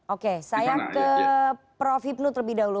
oke saya ke prof hipnu terlebih dahulu